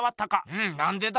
うんなんでだ？